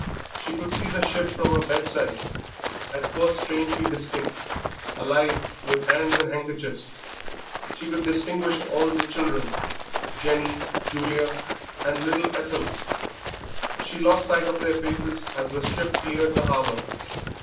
She could see the ship from her bedside, at first strangely distinct, alive with hands and handkerchiefs; she could distinguish all the children Jenny, Julia, and little Ethel. She lost sight of their faces as the ship cleared the harbour.